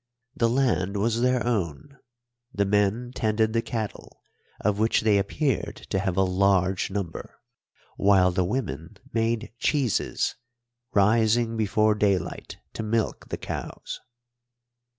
The land was their own, the men tended the cattle, of which they appeared to have a large number, while the women made cheeses, rising before daylight to milk the cows.